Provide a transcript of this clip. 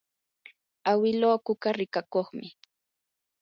awiluu kuka rikakuqmi.